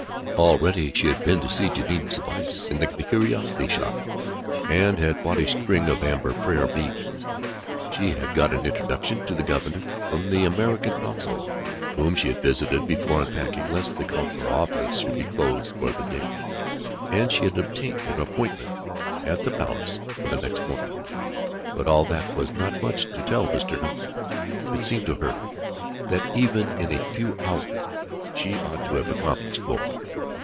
Already she had been to see Jeanne Soubise, in the curiosity shop, and had bought a string of amber prayer beads. She had got an introduction to the Governor from the American Consul, whom she had visited before unpacking, lest the consular office should be closed for the day; and she had obtained an appointment at the palace for the next morning; but all that was not much to tell Mr. Knight. It seemed to her that even in a few hours she ought to have accomplished more.